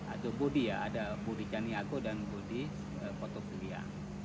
ada bodi ya ada bodi caniago dan bodi potok budia